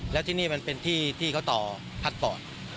แล้วที่นี่มันเป็นที่ที่เขาต่อพักฟอร์ต